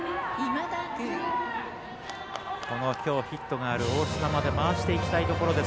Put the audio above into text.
きょうヒットがある大嶋まで回していきたいところです。